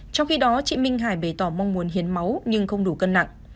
trong khi đó chị minh hải bày tỏ mong muốn hiến máu nhưng không đủ cân nặng